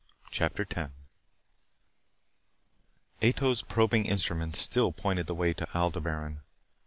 CHAPTER 10 Ato's probing instruments still pointed the way to Aldebaran.